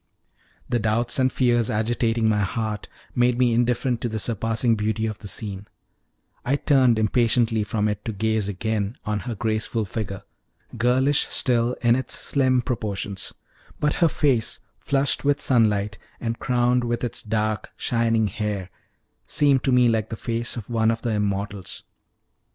The doubts and fears agitating my heart made me indifferent to the surpassing beauty of the scene: I turned impatiently from it to gaze again on her graceful figure, girlish still in its slim proportions; but her face, flushed with sunlight, and crowned with its dark, shining hair, seemed to me like the face of one of the immortals.